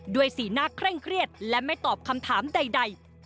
สีหน้าเคร่งเครียดและไม่ตอบคำถามใด